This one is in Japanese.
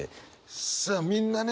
さあみんなね